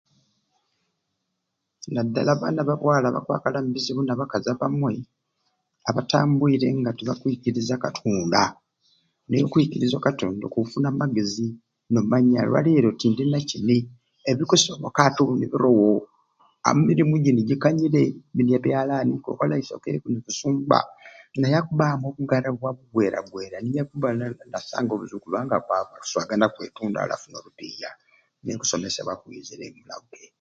Naddala abaana ba bwaala bakwakala omubizibu naddala abamwe abatambwire nga tibaikiriza katonda, n'okwikiriza o katonda okufuna amagezi n'o manya olwaleero tiinina kini ebikusobola ati birowo amilinu Gini gikanyire bini byalaani, kukola isoke, kuni kusumbabnaye naye akubbamu nobugarai bwa bugweragwera niye akubanda nasanga obuzibu kubanga akuswagana kweitunda are aswagane mpiiya nikwo okwegesebwa omukitundu